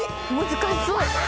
難しそう。